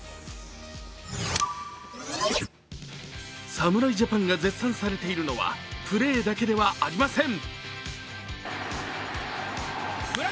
侍ジャパンが絶賛されているのはプレーだけではありません。